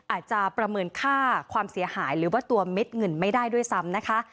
อาจจะประเมินค่าความเสียหายหรือว่าตัวเม็ดเงินไม่ได้ด้วยซ้ำนะคะ